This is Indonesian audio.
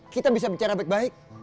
kita bisa bicara baik baik